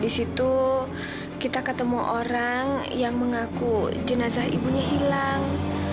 di situ kita ketemu orang yang mengaku jenazah ibunya hilang